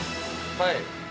はい。